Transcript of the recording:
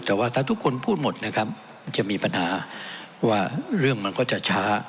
แต่ว่าถ้าทุกคนพูดหมดนะครับจะมีปัญหาว่าเรื่องมันก็จะช้า